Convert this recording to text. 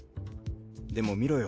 でも見ろよ。